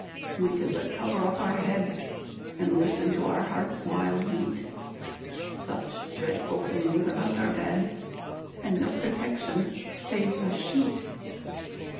We could but cover up our head, And listen to our heart's wild beat Such dreadful things about our bed, And no protection save a sheet!